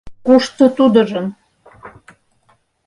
Кушто тудыжын?